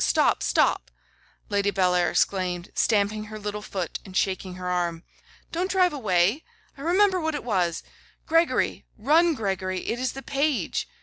Stop, stop,' Lady Bellair exclaimed, stamping her little foot and shaking her little arm, 'Don't drive away; I remember what it was. Gregory! run, Gregory! It is the page!